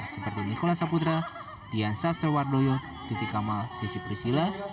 seperti nikola saputra dian sastrowardoyo titi kamal sisi prisila